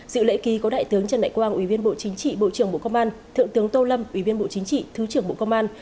dự lễ ký có đại tướng trần đại quang ủy viên bộ chính trị bộ trưởng bộ công an thượng tướng tô lâm ủy viên bộ chính trị thứ trưởng bộ công an